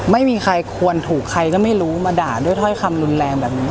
ไม่มีใครควรถูกใครก็ไม่รู้มาด่าด้วยถ้อยคำรุนแรงแบบนี้